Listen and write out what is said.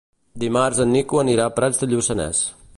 Dimarts en Nico anirà a Prats de Lluçanès.